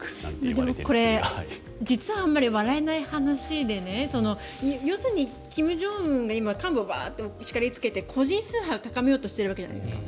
でもこれ、実はあまり笑えない話でね要するに金正恩が今韓国をしかりつけて個人崇拝を高めようとしているわけじゃないですか。